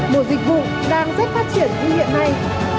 đồ dịch vụ đang rất phát triển như hiện nay